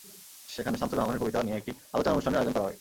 সেখানে শামসুর রাহমানের কবিতা নিয়ে একটি আলোচনা অনুষ্ঠানের আয়োজন করা হয়।